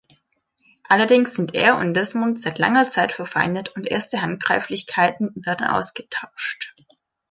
Allerdings sind er und Desmond seit langer Zeit verfeindet und erste Handgreiflichkeiten werden ausgetauscht.